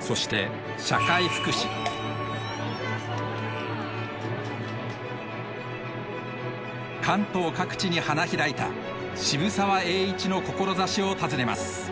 そして関東各地に花開いた渋沢栄一の志を訪ねます。